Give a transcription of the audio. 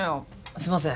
すいません